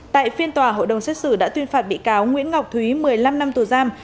tại phiên tòa hội đồng xét xử đã tuyên phạt bị cáo nguyễn ngọc thúy một mươi năm năm tù giam